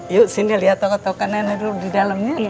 yuk sini lihat toko tokan nenek dulu di dalamnya